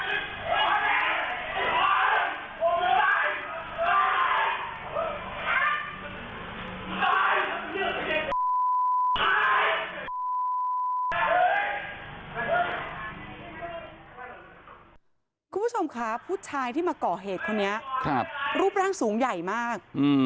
คุณผู้ชมค่ะผู้ชายที่มาเกาะเหตุคนนี้ครับรูปแรงสูงใหญ่มากอืม